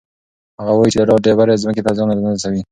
هغه وایي چې دا ډول ډبرې ځمکې ته زیان نه رسوي.